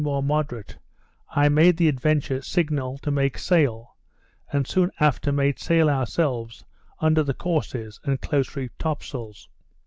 At eight, being something more moderate, I made the Adventure signal to make sail; and soon after made sail ourselves under the courses and close reefed top sails.